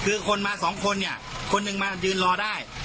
คือคนมาสองคนเนี่ยคนหนึ่งมายืนรอได้